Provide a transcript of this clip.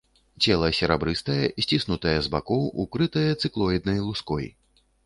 Цела серабрыстае, сціснутае з бакоў, укрытае цыклоіднай луской.